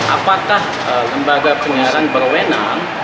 apakah lembaga penyiaran berwenang